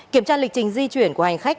kiểm tra lịch trình di chuyển của hành khách